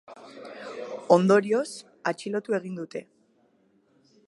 Ondorioz, atxilotu egin dute.